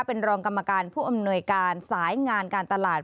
เป็นรองกรรมการผู้อำนวยการสายงานการตลาด